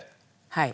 はい。